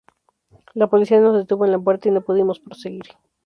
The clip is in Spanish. La policía nos detuvo en la puerta y no pudimos proseguir".